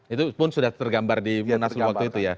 itu pun sudah tergambar di munaslup waktu itu ya